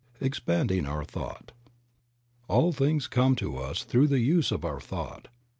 EXPANDING OUR THOUGHT. J^LL things come to us through the use of our thought.